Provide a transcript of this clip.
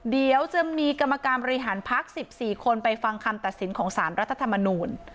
เดี๋ยวจะมีกรรมการบริหารพัก๑๔คนไปฟังคำตัดสินของสารรัฐธรรมนูล